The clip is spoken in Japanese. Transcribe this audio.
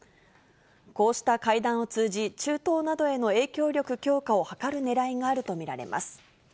こうした会談を通じ、中東などへの影響力強化を図るねらいがあると見られます。